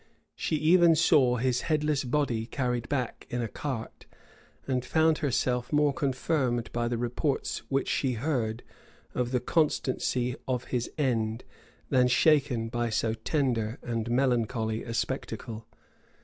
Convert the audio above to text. She even saw his headless body carried back in a cart; and found herself more confirmed by the reports which she heard of the constancy of his end, than shaken by so tender and melancholy a spectacle.